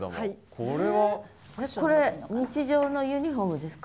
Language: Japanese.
これ日常のユニフォームですか？